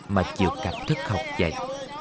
mà chịu cặp thức học vậy